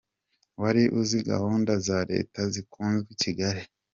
Wari uzi "gahunda" za leta zikunzwe i Kigali?